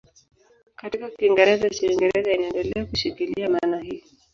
Katika Kiingereza cha Uingereza inaendelea kushikilia maana hii.